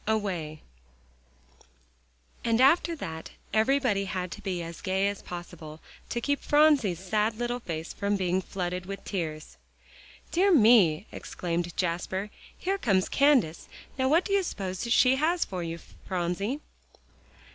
XXIV AWAY And after that everybody had to be as gay as possible, to keep Phronsie's sad little face from being flooded with tears. "Dear me!" exclaimed Jasper, "here comes Candace! Now what do you suppose she has for you, Phronsie?"